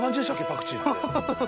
パクチーって。